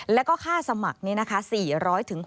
แล้วก็ค่าสมัคร